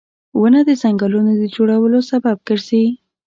• ونه د ځنګلونو د جوړولو سبب ګرځي